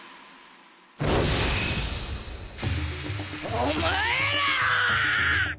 お前らっ！